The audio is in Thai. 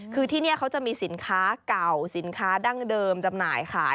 คือที่นี่เขาจะมีสินค้าเก่าสินค้าดั้งเดิมจำหน่ายขาย